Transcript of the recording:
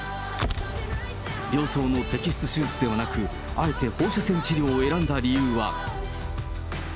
病巣の摘出手術ではなく、あえて放射線治療を選んだ理由は。